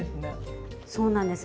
そうなんです。